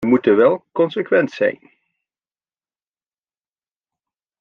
We moeten wel consequent zijn.